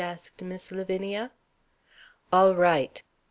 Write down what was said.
asked Miss Lavinia. "All right."